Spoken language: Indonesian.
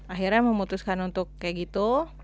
akhirnya memutuskan untuk kayak gitu